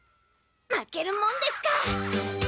負けるもんですか！